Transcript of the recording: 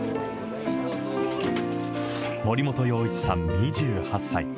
守本陽一さん２８歳。